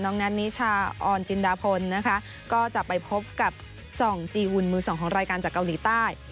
แน็ตนิชาออนจินดาพลนะคะก็จะไปพบกับส่องจีวุลมือสองของรายการจากเกาหลีใต้